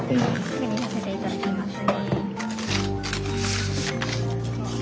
確認させていただきますね。